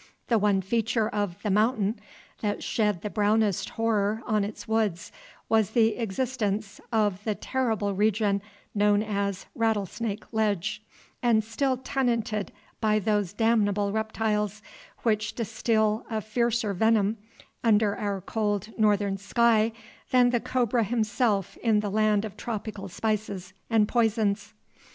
The one feature of The Mountain that shed the brownest horror on its woods was the existence of the terrible region known as Rattlesnake Ledge, and still tenanted by those damnable reptiles, which distil a fiercer venom under our cold northern sky than the cobra himself in the land of tropical spices and poisons.